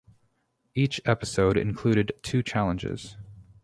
Each episode included two challenges.